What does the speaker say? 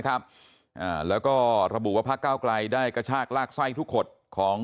ครับอ่าแล้วก็ระบุว่าพระเก้าไกลได้กระชากลากไส้ทุกขดของ